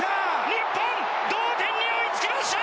日本、同点に追いつきました！